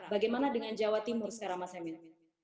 bagaimana dengan jawa timur sekarang mas emil